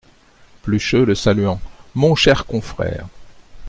Plucheux , le saluant. — Mon cher confrère !